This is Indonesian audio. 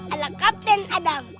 ada kapten adam